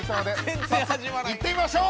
早速行ってみましょう！